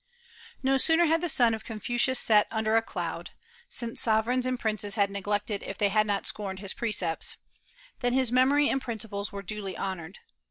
No sooner had the sun of Confucius set under a cloud (since sovereigns and princes had neglected if they had not scorned his precepts), than his memory and principles were duly honored.